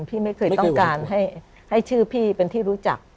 พี่ไม่เคยต้องการให้ชื่อพี่เป็นที่รู้จัก